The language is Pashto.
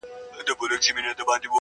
قريسي به ستا د غونډې زنې خال سي_